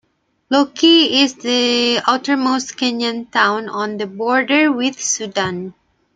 Loki is the outermost Kenyan town on the border with Sudan.